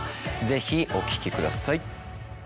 ぜひお聴きください。